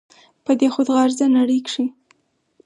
په دې خود غرضه نړۍ کښې